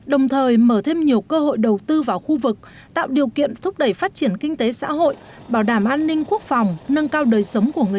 đồng thời mở thêm nhiều cơ hội đầu tư vào khu vực tạo điều kiện thúc đẩy phát triển kinh tế xã hội bảo đảm an ninh quốc phòng